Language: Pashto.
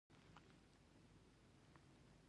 د دانو لپاره د کومې ونې پاڼې وکاروم؟